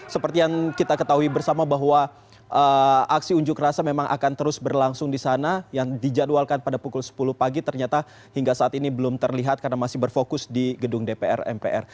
seperti yang kita ketahui bersama bahwa aksi unjuk rasa memang akan terus berlangsung di sana yang dijadwalkan pada pukul sepuluh pagi ternyata hingga saat ini belum terlihat karena masih berfokus di gedung dpr mpr